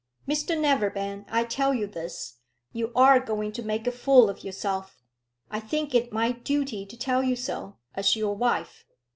"Mr Neverbend, I tell you this, you are going to make a fool of yourself. I think it my duty to tell you so, as your wife.